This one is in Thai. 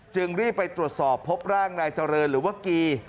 จึงรีบไปตรวจสอบพบร่างนายเจริญหรือว่ากี